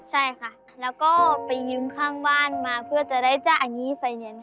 ใช่ค่ะแล้วก็ไปยืมข้างบ้านมาเพื่อจะได้จ้าอันนี้ไฟแนนซ์